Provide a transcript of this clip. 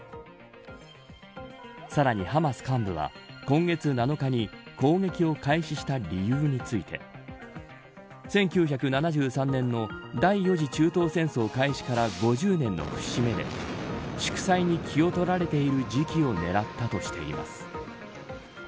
さらにハマス幹部は、今月７日に攻撃を開始した理由について１９７３年の第四次中東戦争開始から５０年の節目で祝祭に気を取られている時期を狙ったとしています。